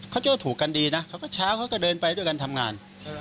โจ้ถูกกันดีนะเขาก็เช้าเขาก็เดินไปด้วยกันทำงาน